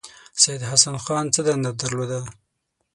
سید حسن خان څه دنده درلوده.